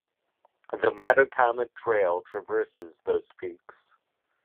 The Metacomet Trail traverses those peaks.